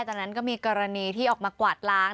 จากนั้นก็มีกรณีที่ออกมากวาดล้าง